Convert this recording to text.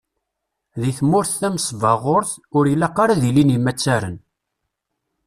Deg tmurt tamesbaɣurt, ur ilaq ara ad ilin yimattaren.